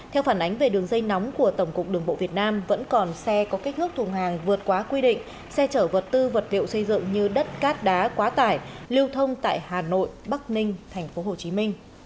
theo phản ánh về đường dây nóng của tổng cục đường bộ việt nam vẫn còn xe có kích thước thùng hàng vượt quá quy định xe chở vật tư vật liệu xây dựng như đất cát đá quá tải lưu thông tại hà nội bắc ninh tp hcm